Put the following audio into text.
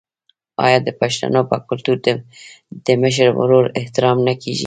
آیا د پښتنو په کلتور کې د مشر ورور احترام نه کیږي؟